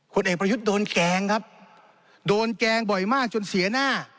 เอกประยุทธ์โดนแกล้งครับโดนแกล้งบ่อยมากจนเสียหน้า